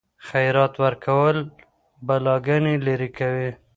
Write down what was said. خیرات ورکول بلاګانې لیرې کوي.